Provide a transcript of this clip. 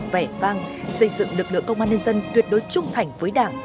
vẻ vang xây dựng lực lượng công an nhân dân tuyệt đối trung thành với đảng